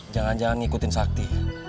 jangan jangan ngikutin sakti